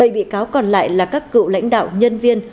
bảy bị cáo còn lại là các cựu lãnh đạo nhân viên